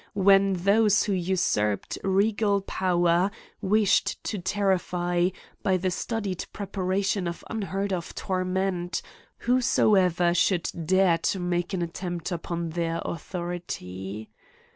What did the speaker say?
165 when those who usurped regal power wished to terrify, by the studied preparation of unheard of torment, whosoever should dare to make an at tempt upon their authority.